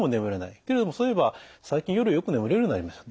けれどもそういえば最近夜よく眠れるようになりましたと。